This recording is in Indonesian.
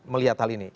melihat hal ini